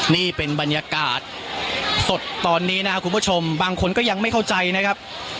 นี่เป็นบรรยากาศสดตอนนี้นะครับคุณผู้ชมบางคนก็ยังไม่เข้าใจนะครับ